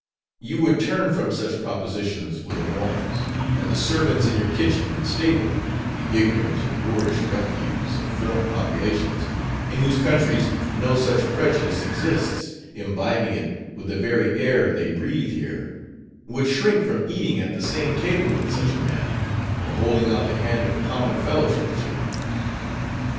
You would turn from such propositions with abhorrence, and the servants in your kitchen and stable the ignorant and boorish refuse of foreign populations, in whose countries no such prejudice exists, imbibing it with the very air they breathe here would shrink from eating at the same table with such a man, or holding out the hand of common fellowship to him.